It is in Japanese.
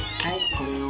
これを。